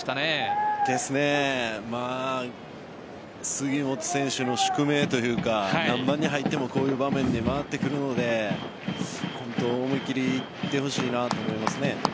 杉本選手の宿命というか何番に入ってもこういう場面で回ってくるので思いっきりいってほしいなと思いますね。